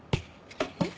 えっ？